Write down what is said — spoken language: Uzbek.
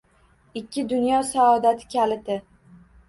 Ikki dunyo saodati kaliti